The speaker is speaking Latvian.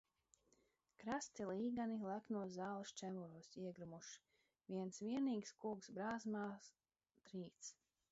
Krasti līgani leknos zāles čemuros iegrimuši, viens vienīgs koks brāzmās trīc.